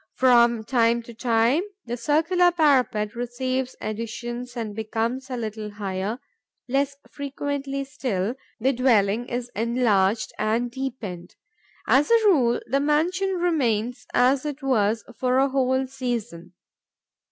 From time to time, the circular parapet receives additions and becomes a little higher; less frequently still, the dwelling is enlarged and deepened. As a rule, the mansion remains as it was for a whole season.